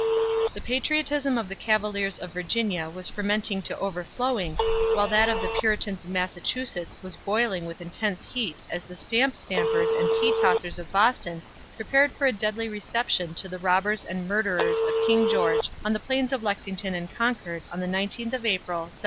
The patriotism of the cavaliers of Virginia was fermenting to overflowing, while that of the Puritans of Massachusetts was boiling with intense heat as the stamp stampers and tea tossers of Boston prepared for a deadly reception to the robbers and murders of King George on the plains of Lexington and Concord on the 19th of April, 1775.